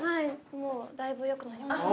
もうだいぶ良くなりました。